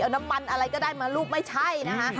น้ำมันอะไรก็ได้มารูปไม่ใช่นะคะ